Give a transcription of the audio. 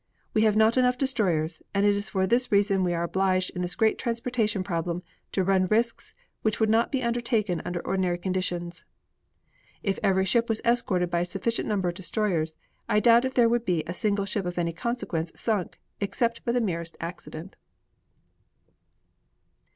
We have not enough destroyers, and it is for this reason we are obliged in this great transportation problem to run risks which would not be taken under ordinary conditions. If every ship was escorted by a sufficient number of destroyers I doubt if there would be a single ship of any consequence sunk, except by the merest accident.